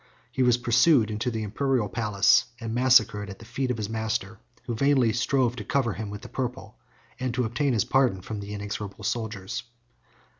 He was pursued into the Imperial palace, and massacred at the feet of his master, who vainly strove to cover him with the purple, and to obtain his pardon from the inexorable soldiers.